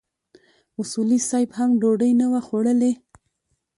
اصولي صیب هم ډوډۍ نه وه خوړلې.